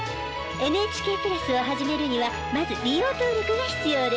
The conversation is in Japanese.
ＮＨＫプラスを始めるにはまず利用登録が必要です。